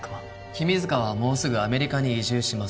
君塚はもうすぐアメリカに移住します。